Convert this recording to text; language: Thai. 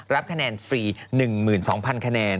รับคะแนนฟรี๑หมื่น๒พันคะแนน